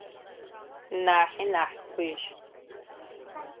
Нахьи нахь фыжь.